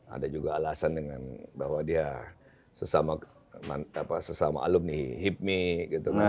ada juga alasan dengan bahwa dia sesama alumni hipmi gitu kan